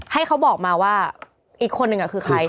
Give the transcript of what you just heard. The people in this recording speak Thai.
ให้เขาบอกมาว่าอีกคนนึงคือใคร